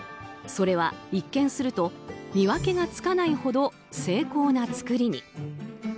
それは一見すると見分けがつかないほど精巧な作りに。